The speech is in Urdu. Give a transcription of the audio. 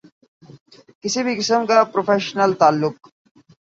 کسی بھی قسم کا پروفیشنل تعلق